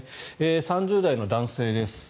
３０代の男性です。